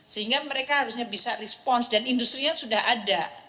sehingga mereka harusnya bisa respons dan industri nya sudah ada